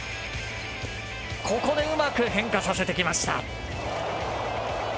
ここでうまく変化させてきました。